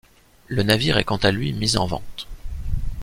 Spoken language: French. Le navire est quant à lui mis en vente.